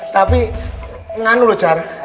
tapi nganu lo jar